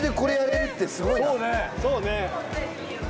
そうね